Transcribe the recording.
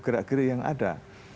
gerak gerik yang ada